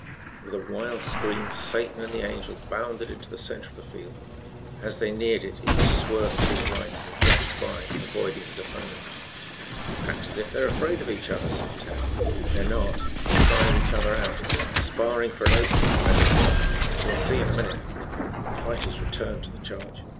With a wild scream Satan and the Angel bounded into the center of the field. As they neared it each swerved to his right and dashed by, avoiding his opponent. "Act as if they were afraid of each other," said Tad. "They're not. They're trying each other out sparring for an opening as it were. You'll see in a minute." The fighters returned to the charge.